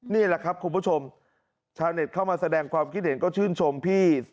นี่แหละครับคุณผู้ชมชาวเน็ตเข้ามาแสดงความคิดเห็นก็ชื่นชมพี่